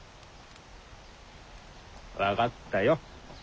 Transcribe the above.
分かったよ。